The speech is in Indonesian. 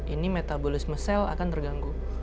ini metabolisme sel akan terganggu